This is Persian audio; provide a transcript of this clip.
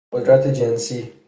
قدرت جنسی